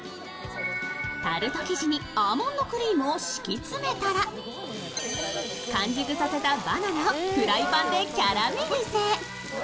タルト生地にアーモンドクリームを敷き詰めたら完熟させたバナナをフライパンでキャラメリゼ。